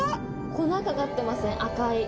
粉かかってますね赤い。